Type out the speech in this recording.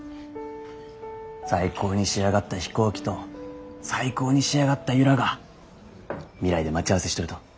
最高に仕上がった飛行機と最高に仕上がった由良が未来で待ち合わせしとると。